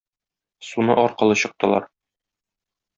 Суны аркылы чыктылар.